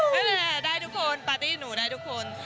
นั่นแหละได้ทุกคนปาร์ตี้หนูได้ทุกคน